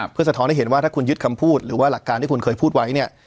เพื่อสะท้อนให้เห็นว่าถ้าคุณยึดคำพูดหรือว่าหลักการที่คุณเคยพูดไว้เนี่ย